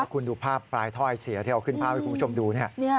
คุณดูภาพปลายถ้อยเสียที่เอาขึ้นภาพให้คุณผู้ชมดู